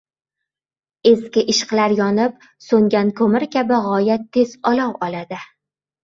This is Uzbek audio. • Eski ishqlar yonib, so‘ngan ko‘mir kabi g‘oyat tez olov oladi.